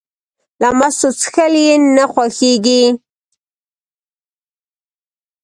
له مستو څښل یې نه خوښېږي.